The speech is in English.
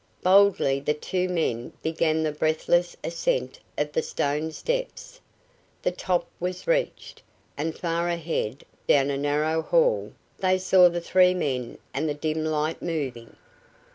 Boldly the two men began the breathless ascent of the stone steps. The top was reached, and far ahead, down a narrow hall, they saw the three men and the dim light moving.